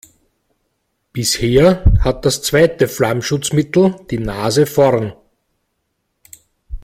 Bisher hat das zweite Flammschutzmittel die Nase vorn.